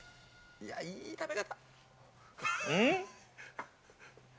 いや、いい食べ方。